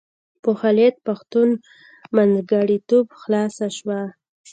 په خالد پښتون منځګړیتوب خلاصه شوه.